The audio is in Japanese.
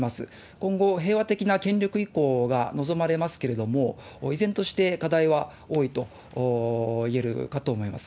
今後、平和的な権力移行が望まれますけれども、依然として課題は多いと言えるかと思います。